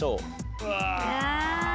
うわ。